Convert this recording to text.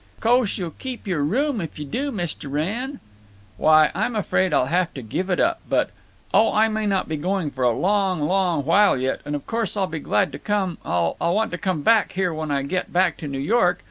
"Co'se you'll keep your room if you do, Mist' Wrenn?" "Why, I'm afraid I'll have to give it up, but—Oh, I may not be going for a long long while yet; and of course I'll be glad to come—I'll want to come back here when I get back to New York.